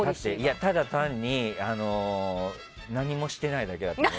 ただ単に何もしてないだけだと思う。